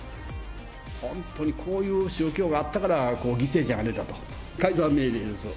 本当にこういう宗教があったから、犠牲者が出たと、解散命令ですよ。